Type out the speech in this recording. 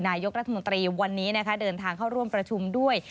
นายกรัฐมนตรีวันนี้นะคะเดินทางเข้าร่วมประชุมด้วย